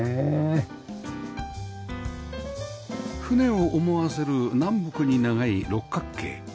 船を思わせる南北に長い六角形